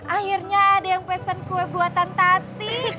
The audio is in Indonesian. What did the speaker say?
akhirnya ada yang pesen kue buatan tati